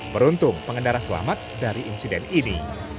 beruntung pengendara selamat dari insiden ini